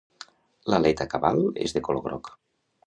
L'aleta cabal és de color groc.